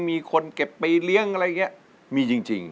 มีคนเก็บไปเลี้ยงอะไรอย่างนี้มีจริง